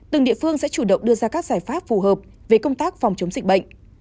từng địa phương sẽ chủ động đưa ra các giải pháp phù hợp với công tác phòng chống dịch bệnh